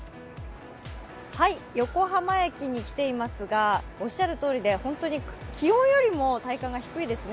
横浜駅に来ていますがおっしゃるとおりで本当に気温よりも体感が低いですね。